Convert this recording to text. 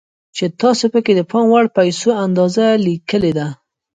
چې تاسې پکې د پام وړ پيسو اندازه ليکلې ده.